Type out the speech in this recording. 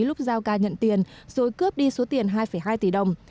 lúc dao ca nhận tiền rồi cướp đi số tiền hai hai tỷ đồng